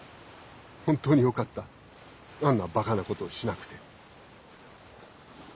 本当によかったあんなバカなことをしなくて。